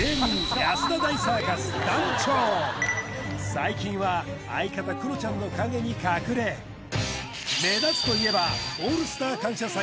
最近は相方クロちゃんの陰に隠れ目立つといえばオールスター感謝祭